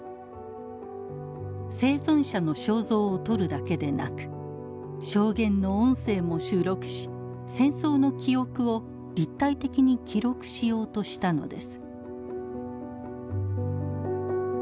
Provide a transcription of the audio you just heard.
生存者の肖像を撮るだけでなく証言の音声も収録し戦争の記憶を立体的に記録しようとしたのです。